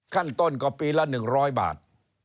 ขั้นต้นก็ปีละ๑๐๐บาท